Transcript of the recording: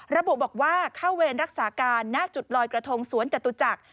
ระบุบอกว่าเข้าเวรรักษาการณ์จุดลอยกระทงสวนจตุจักร